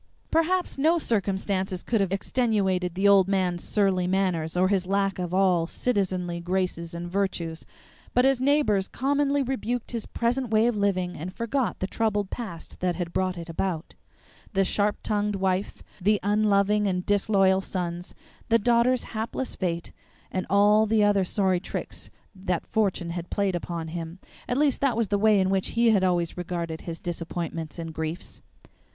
Perhaps no circumstances could have extenuated the old man's surly manners or his lack of all citizenly graces and virtues; but his neighbors commonly rebuked his present way of living and forgot the troubled past that had brought it about: the sharp tongued wife, the unloving and disloyal sons, the daughter's hapless fate, and all the other sorry tricks that fortune had played upon him at least that was the way in which he had always regarded his disappointments and griefs.